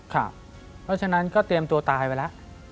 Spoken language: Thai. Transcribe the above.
ค่ะแน่ใจนั้นก็เตรียมตัวตายไว้แล้ว